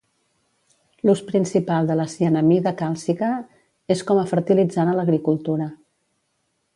L"ús principal de la cianamida càlcica és com a fertilitzant a l"agricultura.